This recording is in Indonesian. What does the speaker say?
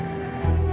oke aku pergi